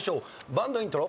バンドイントロ。